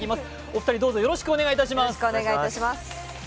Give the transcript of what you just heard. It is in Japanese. お二人、どうぞよろしくお願いいたします。